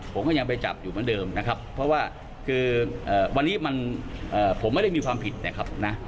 ผมก็ยังไปจับอยู่เหมือนเดิมนะครับเพราะว่าคือวันนี้มันผมไม่ได้มีความผิดนะครับนะ